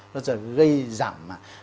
nó sẽ gây giảm